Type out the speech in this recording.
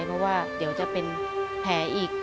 เพราะว่าเดี๋ยวจะเป็นแผลอีก